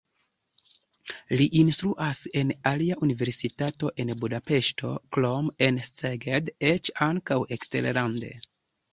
Li instruas en alia universitato en Budapeŝto, krome en Szeged, eĉ ankaŭ eksterlande.